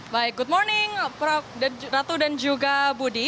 baik good morning ratu dan juga budi